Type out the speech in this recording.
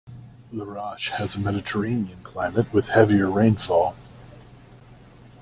Larache has a Mediterranean climate with heavier rainfall.